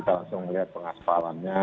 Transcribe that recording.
kita langsung melihat pengasfalannya